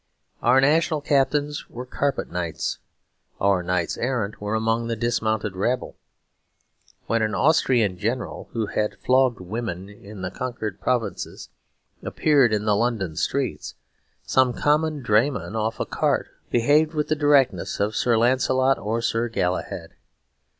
Our national captains were carpet knights; our knights errant were among the dismounted rabble. When an Austrian general who had flogged women in the conquered provinces appeared in the London streets, some common draymen off a cart behaved with the direct quixotry of Sir Lancelot or Sir Galahad.